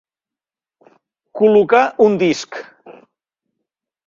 Col·locar un disc.